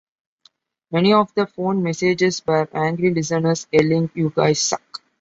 Many of the phone messages were angry listeners yelling You guys suck!